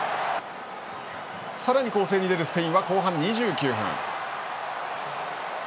さらに攻勢に出るスペインは後半２９分。